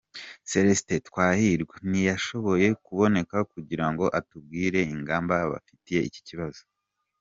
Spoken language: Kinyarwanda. Celestin Twahirwa ntiyashoboye kuboneka kugira ngo atubwire ingamba bafitiye iki kibazo.